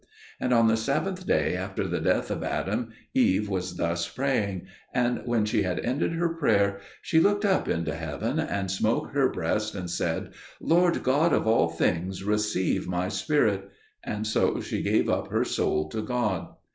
And on the seventh day after the death of Adam, Eve was thus praying; and when she had ended her prayer, she looked up into heaven and smote her breast and said, "Lord God of all things, receive my spirit." And so she gave up her soul to God.